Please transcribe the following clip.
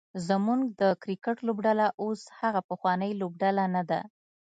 زمونږ د کرکټ لوبډله اوس هغه پخوانۍ لوبډله نده